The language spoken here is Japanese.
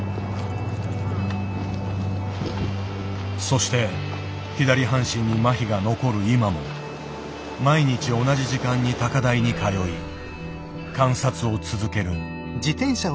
そして左半身にまひが残る今も毎日同じ時間に高台に通い観察を続ける。